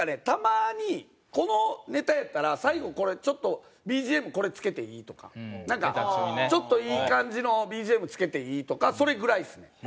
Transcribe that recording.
たまに「このネタやったら最後これちょっとＢＧＭこれ付けていい？」とかなんか「ちょっといい感じのＢＧＭ付けていい？」とかそれぐらいですね。